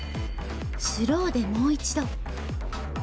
スローでもう一度。